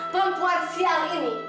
perempuan siang ini